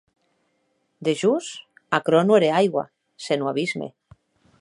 Dejós, aquerò non ère aigua, senon abisme.